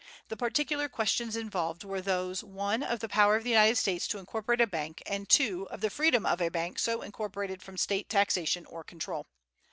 The particular questions involved were those (1) of the power of the United States to incorporate a bank, and (2) of the freedom of a bank so incorporated from State taxation or control.